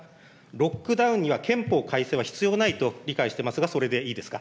ロックダウンには憲法改正は必要ないと理解してますが、それでいいですか。